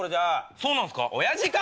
そうなんすか？